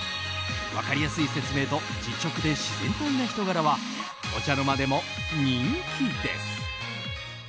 分かりやすい説明と実直で自然体な人柄はお茶の間でも人気です。